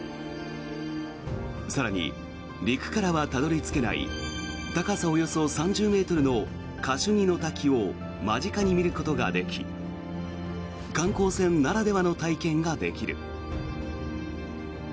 更に、陸からはたどり着けない高さおよそ３０ｍのカシュニの滝を間近に見ることができ観光船ならではの体験ができる。